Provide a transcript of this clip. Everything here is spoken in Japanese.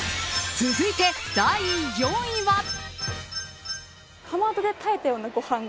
続いて第４位は。